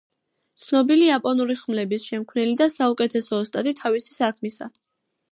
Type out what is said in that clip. ცნობილი იაპონური ხმლების შემქმნელი და საუკეთესო ოსტატი თავისი საქმისა.